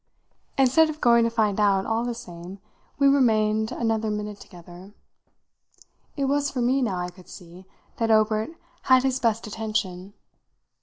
Instead of going to find out, all the same, we remained another minute together. It was for me, now, I could see, that Obert had his best attention.